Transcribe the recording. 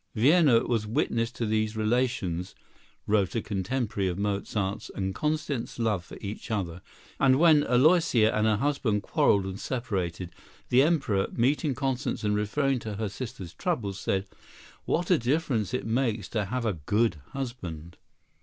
"Vienna was witness to these relations," wrote a contemporary of Mozart's and Constance's love for each other; and when Aloysia and her husband quarrelled and separated, the Emperor, meeting Constance and referring to her sister's troubles, said, "What a difference it makes to have a good husband."